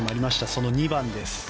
その２番です。